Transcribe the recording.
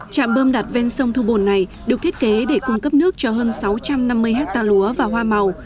trạm bơm đặt ven sông thu bồn này được thiết kế để cung cấp nước cho hơn sáu trăm năm mươi hectare lúa và hoa màu